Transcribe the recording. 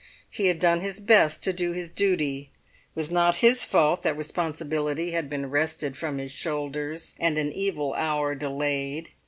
He had done his best to do his duty. It was not his fault that responsibility had been wrested from his shoulders, and an evil hour delayed.